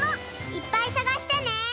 いっぱいさがしてね！